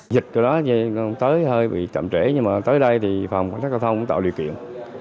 dịch từ đó tới hơi bị chậm trễ nhưng mà tới đây thì phòng cảnh sát giao thông cũng tạo điều kiện